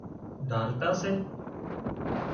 ڍالٽا سي